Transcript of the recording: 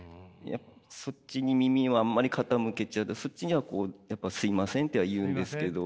そっちに耳をあんまり傾けちゃうそっちにはこうやっぱ「すみません」っては言うんですけど。